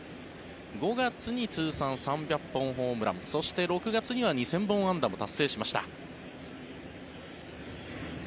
５月に通算３００本ホームランそして６月には２０００本安打も達成しました。